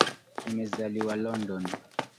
Nimezaliwa London